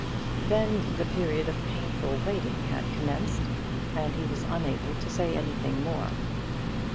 Then the period of painful waiting had commenced, and he was unable to say anything more.